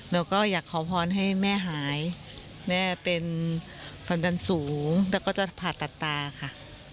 แล้วก็อยากขอพรให้แม่หายแม่เป็นความดันสูงแล้วก็จะผ่าตัดตาค่ะ